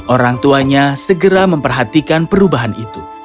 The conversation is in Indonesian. orang tuanya segera memperhatikan perubahan itu